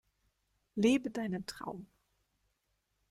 Lebe deinen Traum!